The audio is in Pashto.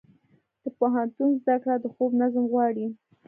د پوهنتون زده کړه د خوب نظم غواړي.